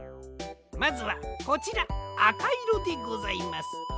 まずはこちらあかいろでございます。